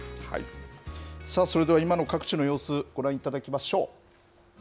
それでは、今の各地の様子、ご覧いただきましょう。